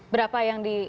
berapa yang di